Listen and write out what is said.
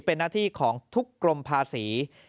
เป็นหน้าที่ของทุกกรมภาษี